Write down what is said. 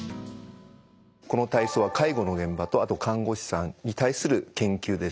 この体操は介護の現場とあと看護師さんに対する研究です。